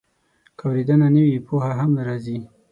که اورېدنه نه وي، پوهه هم نه راځي.